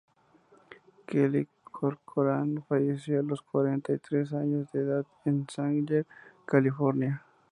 Kelly Corcoran falleció a los cuarenta y tres años de edad en Sanger, California.